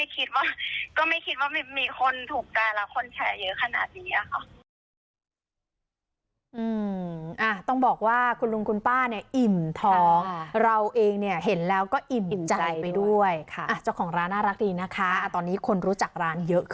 ก็ไม่คิดว่ามีคนถูกได้แล้วคนแชร์เยอะขนาดนี้ค่ะ